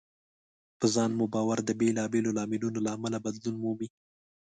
په ځان مو باور د بېلابېلو لاملونو له امله بدلون مومي.